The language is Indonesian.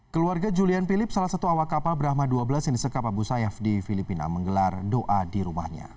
keluarga julian philip salah satu awak kapal brahma dua belas yang disekap abu sayyaf di filipina menggelar doa di rumahnya